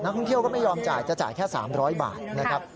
ท่องเที่ยวก็ไม่ยอมจ่ายจะจ่ายแค่๓๐๐บาทนะครับ